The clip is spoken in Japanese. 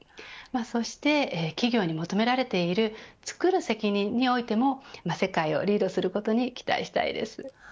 そして企業に求められているつくる責任においても世界をリードすることを期待したいです。